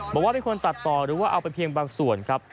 บอกว่าเป็นคนตัดต่อหรือว่าเอาไปเพียงบางส่วนครับ